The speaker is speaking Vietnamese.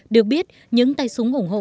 được biết những tay súng ủng hộ